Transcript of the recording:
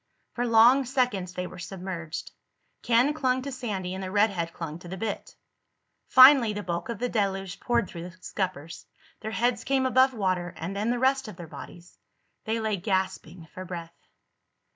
For long seconds they were submerged. Ken clung to Sandy and the redhead clung to the bitt. Finally the bulk of the deluge poured through the scuppers. Their heads came above water, and then the rest of their bodies. They lay gasping for breath.